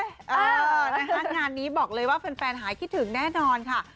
เออนะคะงานนี้บอกเลยว่าแฟนหายคิดถึงแน่นอนค่ะ